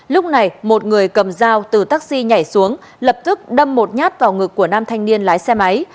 lúc này một người cầm dao từ taxi nhảy xuống lập tức đâm một nhát vào ngực của nam thanh niên lái xe máy